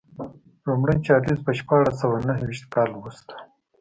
لومړی چارلېز په شپاړس سوه نهویشت کال وروسته.